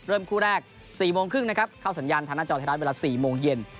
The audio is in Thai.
คู่แรก๔โมงครึ่งนะครับเข้าสัญญาณทางหน้าจอไทยรัฐเวลา๔โมงเย็น